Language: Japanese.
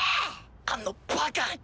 あのバカ！